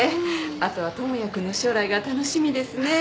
後は智也君の将来が楽しみですね。